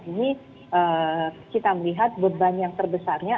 ini kita melihat beban yang terbesarnya